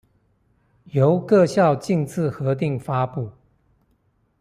由各校逕自核定發布